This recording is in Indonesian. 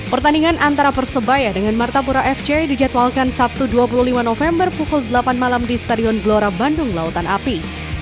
pertandingan antara persebaya dengan martapura fc dijadwalkan sabtu dua puluh lima november pukul delapan malam di stadion gelora bandung lautan api